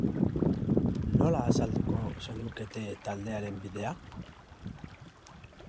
Nola azalduko zenukete taldearen bidea?